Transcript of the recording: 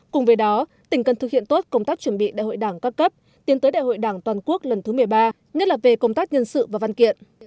cùng với đó tỉnh cần thực hiện tốt công tác chuẩn bị đại hội đảng các cấp tiến tới đại hội đảng toàn quốc lần thứ một mươi ba nhất là về công tác nhân sự và văn kiện